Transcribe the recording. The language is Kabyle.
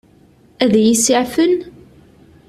Ad iyi-iseɛfen?